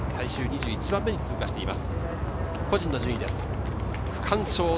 最終２１番目に通過しています。